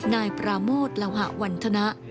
นายปราโมทละหะวันธนะ